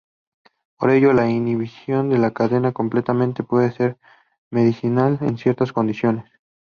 Por ello, la inhibición de la cadena complemento puede ser medicinal en ciertas condiciones.